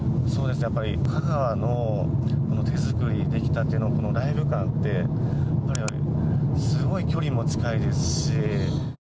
やっぱり香川の手作りできたてのライブ感ってすごい距離も近いですし。